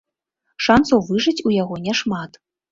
Шанцаў выжыць у яго не шмат.